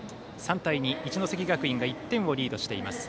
３対２、一関学院が１点をリードしています。